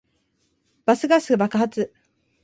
バスガス爆発